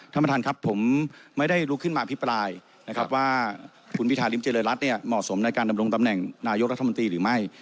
ท่านประธานครับผมไม่ได้ลุกขึ้นมาอภิปรายนะครับว่าคุณพิธาริมเจริญรัฐเนี่ยเหมาะสมในการดำรงตำแหน่งนายกรัฐมนตรีหรือไม่